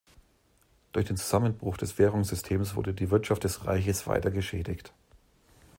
Durch den Zusammenbruch des Währungssystems wurde die Wirtschaft des Reiches weiter geschädigt.